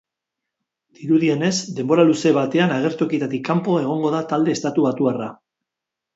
Dirudienez denbora luze batean agertokietatik kanpo egongo da talde estatubatuarra.